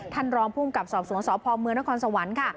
ท่านรองภูมิกับสอบสวนสพเมืองนครสวรรค์ค่ะ